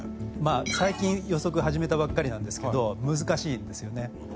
最近予測始めたばっかりなんですけど難しいんですよね。